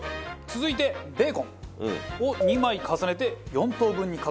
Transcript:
続いてベーコンを２枚重ねて４等分にカットします。